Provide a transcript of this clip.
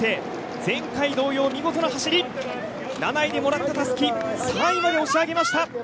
前回同様に見事な走り７位でもらったたすき３位まで押し上げました。